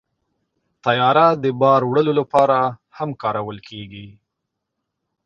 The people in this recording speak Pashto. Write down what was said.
طیاره د بار وړلو لپاره هم کارول کېږي.